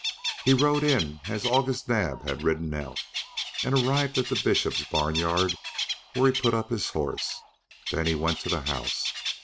He rode in as August Naab had ridden out, and arrived at the Bishop's barn yard, where he put up his horse. Then he went to the house.